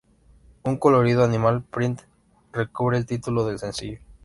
Un colorido animal print recubre el título del sencillo.